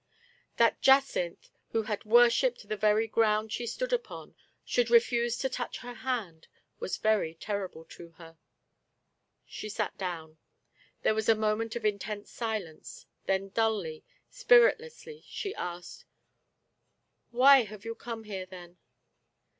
That Digitized by Google MRS. LOVETT CAMERON, 103 Jacynth, who had worshiped the very ground she stood upon, should refuse to touch her hand, was v«ry terrible to her. She sat down. There was a moment of intense silence, then dully, spiritlessly, she asked :" Why have you come here, then